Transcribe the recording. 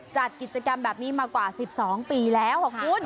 จัดกิจกรรมแบบนี้มากว่า๑๒ปีแล้วขอบคุณ